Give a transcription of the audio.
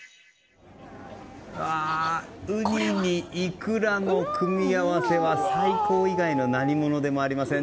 ウニにイクラの組み合わせは最高以外の何ものでもありません。